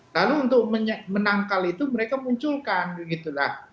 lalu untuk menangkal itu mereka munculkan gitu lah